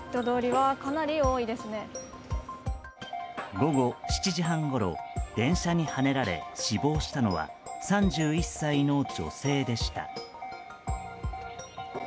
午後７時半ごろ電車にはねられ死亡したのは３１歳の女性でした。